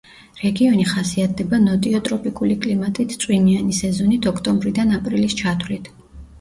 რეგიონი ხასიათდება ნოტიო ტროპიკული კლიმატით წვიმიანი სეზონით ოქტომბრიდან აპრილის ჩათვლით.